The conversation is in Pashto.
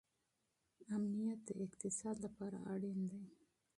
امنیت د اقتصاد لپاره اړین دی.